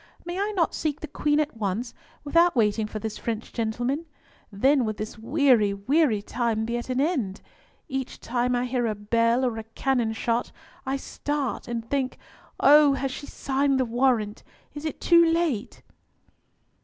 May I not seek the Queen at once, without waiting for this French gentleman? Then would this weary, weary time be at an end! Each time I hear a bell, or a cannon shot, I start and think, Oh! has she signed the warrant? Is it too late?"